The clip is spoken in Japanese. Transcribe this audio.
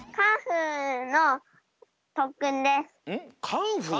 カンフー？